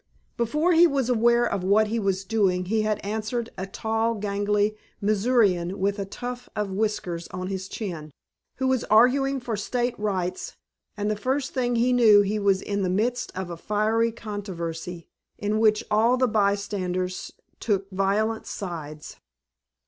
Before he was aware of what he was doing he had answered a tall, gangling Missourian with a tuft of whiskers on his chin, who was arguing for State rights, and the first thing he knew he was in the midst of a fiery controversy, in which all the bystanders took violent sides.